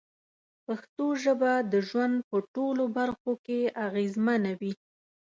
پښتو ژبه د ژوند په ټولو برخو کې اغېزمنه وي.